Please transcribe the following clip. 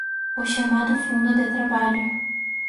O chamado fundo de trabalho